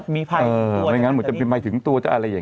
มีภัยถึงตัว